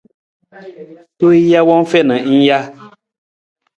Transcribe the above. Tuu jawang u fiin ng ja.